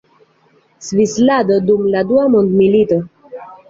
Svislando dum la dua mondmilito.